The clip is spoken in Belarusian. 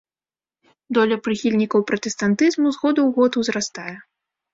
Доля прыхільнікаў пратэстантызму з году ў год узрастае.